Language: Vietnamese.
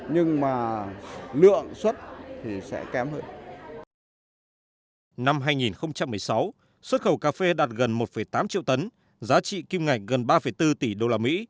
năm hai nghìn một mươi sáu xuất khẩu cà phê đạt gần một tám triệu tấn giá trị kim ngạch gần ba bốn tỷ đô la mỹ